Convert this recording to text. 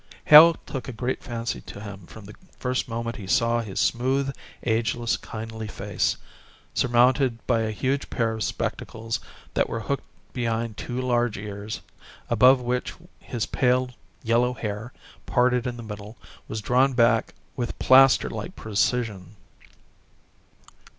Hale took a great fancy to him from the first moment he saw his smooth, ageless, kindly face, surmounted by a huge pair of spectacles that were hooked behind two large ears, above which his pale yellow hair, parted in the middle, was drawn back with plaster like precision.